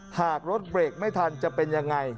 หากรถเบรกไม่ทันจะเป็นยังไง